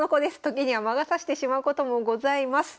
時には魔が差してしまうこともございます。